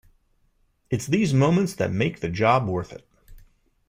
It's these moments that make the job worth it.